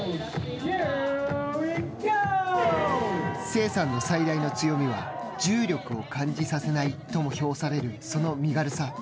聖さんの最大の強みは、重力を感じさせないとも評される、その身軽さ。